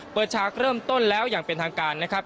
ฉากเริ่มต้นแล้วอย่างเป็นทางการนะครับ